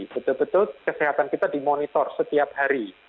betul betul kesehatan kita dimonitor setiap hari